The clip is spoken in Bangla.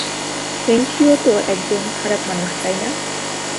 ফেং-শি ও তো একজন খারাপ মানুষ, তাই না?